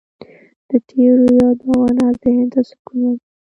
د تېرو یادونه ذهن ته سکون ورکوي.